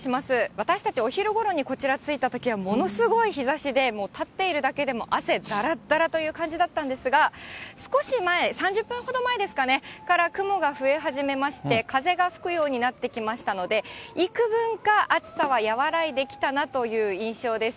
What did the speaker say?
私たち、お昼ごろにこちら着いたときは、ものすごい日ざしで、もう立っているだけでも汗だらだらっという感じだったんですが、少し前、３０分ほど前ですかね、から雲が増え始めまして、風が吹くようになってきましたので、いくぶんか暑さは和らいできたなという印象です。